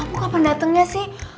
kamu kapan datengnya sih